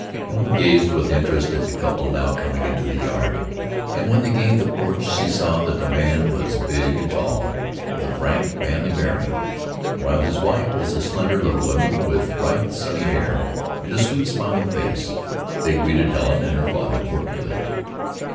Helen gazed with interest at the couple now coming into the yard, and when they gained the porch she saw that the man was big and tall, with a frank, manly bearing, while his wife was a slender little woman with bright, sunny hair, and a sweet, smiling face. They greeted Helen and her father cordially.